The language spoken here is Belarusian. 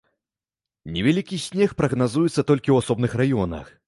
Невялікі снег прагназуецца толькі ў асобных раёнах.